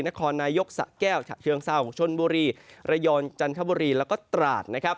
นครนายกษะแก้วเชืองซาวชนบุรีระยรจันทบุรีแล้วก็ตราศน์